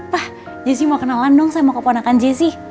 pak jessy mau kenalan dong sama keponakan jessy